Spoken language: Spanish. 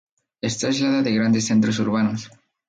Está aislada de grandes centros urbanos.